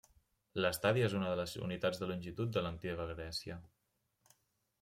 L'estadi és una de les unitats de longitud de l'Antiga Grècia.